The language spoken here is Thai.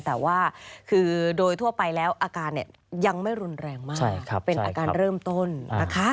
แต่ว่าคือโดยทั่วไปแล้วอาการยังไม่รุนแรงมากเป็นอาการเริ่มต้นนะคะ